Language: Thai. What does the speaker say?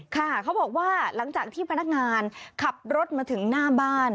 ค่ะเขาบอกว่าหลังจากที่พนักงานขับรถมาถึงหน้าบ้าน